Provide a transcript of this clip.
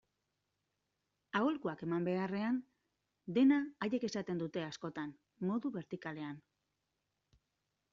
Aholkuak eman beharrean, dena haiek esaten dute askotan, modu bertikalean.